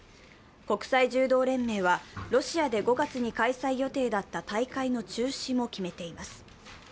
国際柔道連盟はロシアで５月に開催予定だった大会の中止も決めています。